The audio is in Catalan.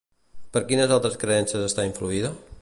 Per quines altres creences està influïda?